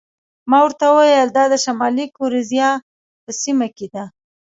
ما ورته وویل: دا د شمالي ګوریزیا په سیمه کې ده.